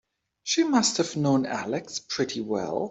She must have known Alex pretty well.